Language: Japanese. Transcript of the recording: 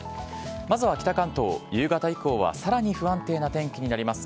まずは北関東、夕方以降はさらに不安定な天気になります。